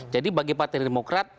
jadi bagi partai demokrat